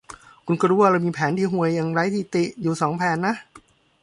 คุณก็รู้ว่าเรามีแผนที่ห่วยอย่างไร้ที่ติอยู่สองแผนนะ